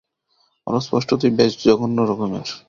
ওরা স্পষ্টতই বেশ জঘন্য রকমের।